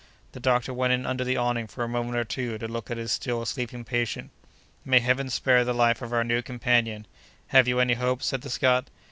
The doctor went in under the awning for a moment or two, to look at his still sleeping patient. "May Heaven spare the life of our new companion! Have you any hope?" said the Scot.